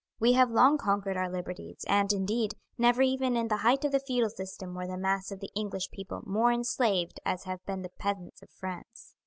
We have long conquered our liberties, and, indeed, never even in the height of the feudal system were the mass of the English people more enslaved as have been the peasants of France.